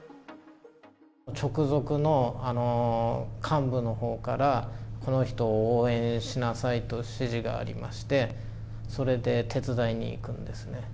直属の幹部のほうから、この人を応援しなさいと指示がありまして、それで手伝いに行くんですね。